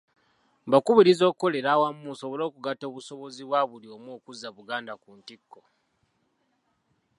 Mbakubiriza okukolera awamu musobole okugatta obusobozi bwa buli omu okuzza Buganda ku ntikko.